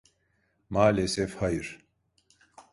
Maalesef hayır.